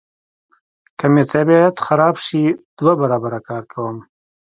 که مې طبیعت خراب شي دوه برابره کار کوم.